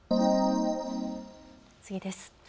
次です。